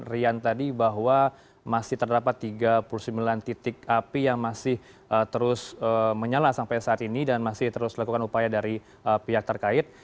rian tadi bahwa masih terdapat tiga puluh sembilan titik api yang masih terus menyala sampai saat ini dan masih terus lakukan upaya dari pihak terkait